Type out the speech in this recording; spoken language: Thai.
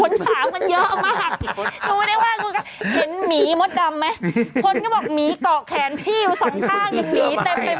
คนถามมันเยอะมากเห็นหมีหมดดำไหมคนเขาบอกหมีเกาะแขนพี่อยู่สองข้าง